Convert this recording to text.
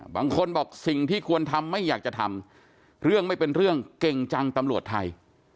บางคนบอกสิ่งที่ควรทำไม่อยากจะทำเรื่องไม่เป็นเรื่องเก่งจังตำรวจไทย